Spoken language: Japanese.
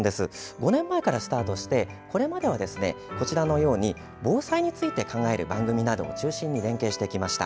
５年前からスタートしてこれまでは、防災について考える番組などを中心に連携してきました。